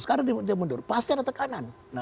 sekarang dia mundur pasti ada tekanan